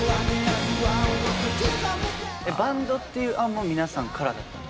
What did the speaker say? バンドっていう案も皆さんからだったんですか？